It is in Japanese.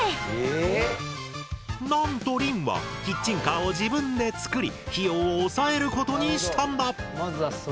なんとりんはキッチンカーを自分でつくり費用を抑えることにしたんだ！